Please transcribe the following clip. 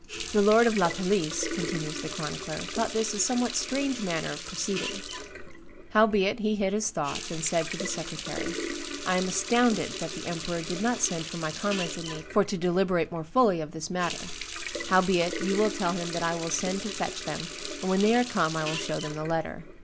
"The lord of La Palisse," continues the chronicler, "thought this a somewhat strange manner of proceeding; howbeit he hid his thought, and said to the secretary, 'I am astounded that the emperor did not send for my comrades and me for to deliberate more fully of this matter; howbeit you will tell him that I will send to fetch them, and when they are come I will show them the letter.